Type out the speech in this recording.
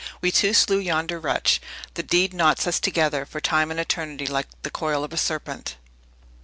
We two slew yonder wretch. The deed knots us together, for time and eternity, like the coil of a serpent!"